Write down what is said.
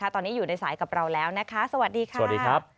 ตอนนี้อยู่ในสายกับเราแล้วนะคะสวัสดีค่ะ